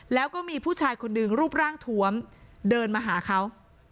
แล้วก็มีผู้ชายคนหนึ่งรูปร่างทวมเดินมาหาเขา